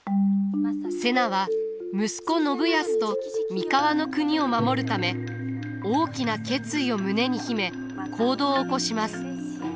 瀬名は息子信康と三河国を守るため大きな決意を胸に秘め行動を起こします。